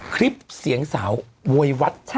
คลิปเสียงสาวโวยวัด